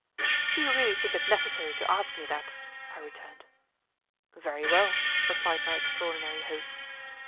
"Do you really think it necessary to ask me that?" I returned. "Very well," replied my extraordinary host.